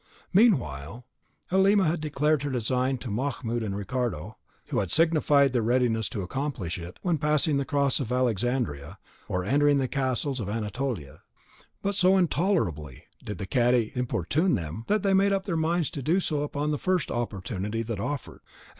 Meanwhile, Halima had declared her design to Mahmoud and Ricardo, who had signified their readiness to accomplish it when passing the Crosses of Alexandria, or entering the castles of Anatolia; but so intolerably did the cadi importune them, that they made up their minds to do so upon the first opportunity that offered.